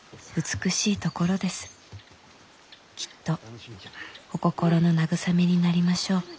きっとお心の慰めになりましょう。